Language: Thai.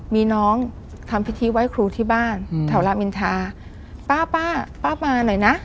มีน้องทำพิธีไว้ครูที่บ้านแถวรามอินทาป้าป้ามาหน่อยนะ